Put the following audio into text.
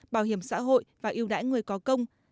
bảo hiểm xã hội và yêu đãi người có công